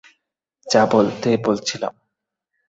যা বলতে বলছিলাম?